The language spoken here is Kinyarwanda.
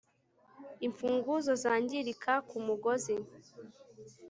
Imfunguzo zangirika kumugozi